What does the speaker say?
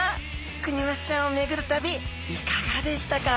クニマスちゃんを巡る旅いかがでしたか？